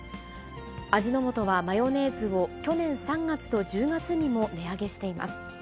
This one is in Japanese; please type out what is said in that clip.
味の素はマヨネーズを、去年３月と１０月にも値上げしています。